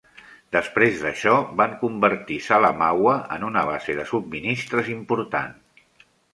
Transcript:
Després d'això van convertir Salamaua en una base de subministres important.